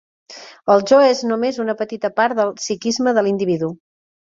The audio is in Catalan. El jo és només una petita part del psiquisme de l'individu.